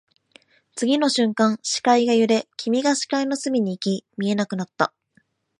次の瞬間、視界が揺れ、君が視界の隅に行き、見えなくなった